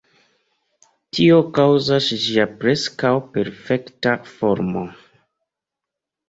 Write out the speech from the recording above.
Tio kaŭzas ĝia preskaŭ perfekta formo.